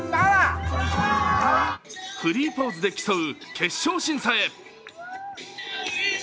フリーポーズで競う決勝審査へ。